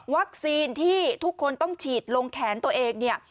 ที่ทุกคนต้องฉีดลงแขนตัวเองเนี่ย